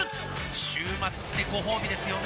週末ってごほうびですよねー